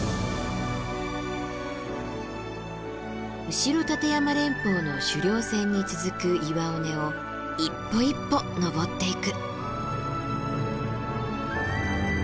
後立山連峰の主稜線に続く岩尾根を一歩一歩登っていく。